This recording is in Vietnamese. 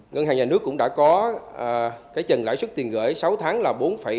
ngân hàng nhà nước cũng đã có trần lãi suất tiền gửi sáu tháng là bốn bảy mươi năm